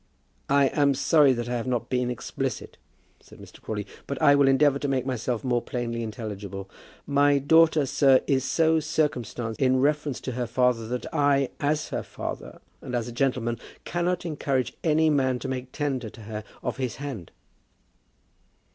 "I am sorry that I have not been explicit," said Mr. Crawley, "but I will endeavour to make myself more plainly intelligible. My daughter, sir, is so circumstanced in reference to her father, that I, as her father and as a gentleman, cannot encourage any man to make a tender to her of his hand."